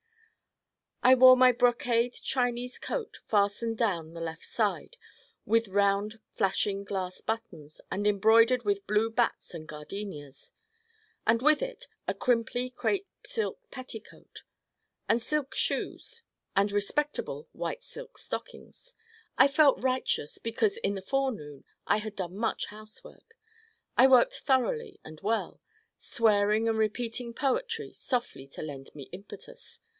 I wore my brocade Chinese coat fastened down the left side with round flashing glass buttons and embroidered with blue bats and gardenias: and with it a crinkly crêpe silk petticoat: and silk shoes and respectable white silk stockings. I felt righteous because in the forenoon I had done much housework. I worked thoroughly and well, swearing and repeating poetry softly to lend me impetus.